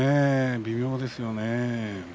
微妙ですね。